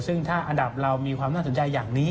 ซึ่งถ้าอันดับเรามีความน่าสนใจอย่างนี้